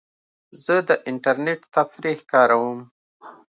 زه د انټرنیټ تفریح کاروم.